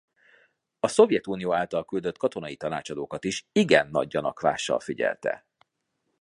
A Szovjetunió által küldött katonai tanácsadókat is igen nagy gyanakvással figyelte.